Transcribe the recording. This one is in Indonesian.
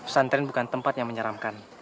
pesantren bukan tempat yang menyeramkan